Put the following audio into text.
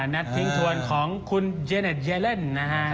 นัดทิ้งทวนของคุณเยเน็ตเยเลนนะฮะ